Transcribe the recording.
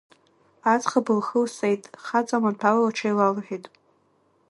Аӡӷаб лхы лсеит, хаҵа маҭәала лҽеилалҳәеит.